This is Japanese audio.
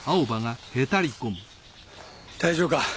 大丈夫か？